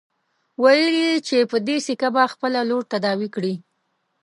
ويل يې چې په دې سيکه به خپله لور تداوي کړي.